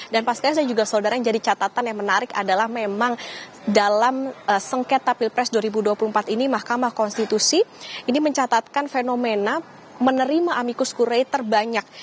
dan pas kalis dan juga saudara yang jadi catatan yang menarik adalah memang dalam sengketa pilpres dua ribu dua puluh empat ini mahkamah konstitusi ini mencatatkan fenomena menerima amikus kurie terbanyak